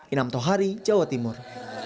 inam tohari jawa timur